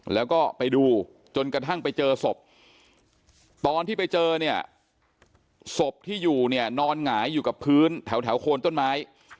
แล้วก็ไปดูจนกระทั่งไปเจอศพตอนที่ไปเจอเนี่ยศพที่อยู่เนี่ยนอนหงายอยู่กับพื้นแถวโคนต้นไม้